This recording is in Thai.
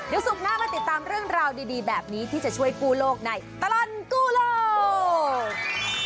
เดี๋ยวศุกร์หน้ามาติดตามเรื่องราวดีแบบนี้ที่จะช่วยกู้โลกในตลอดกู้โลก